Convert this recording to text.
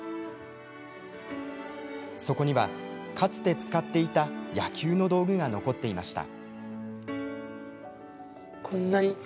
そこには、かつて使っていた野球の道具が残っていました。